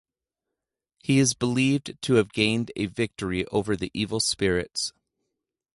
He is believed to have gained a victory over the evil spirits.